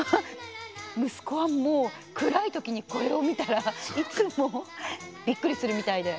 むすこはもうくらいときにこれをみたらいつもびっくりするみたいで。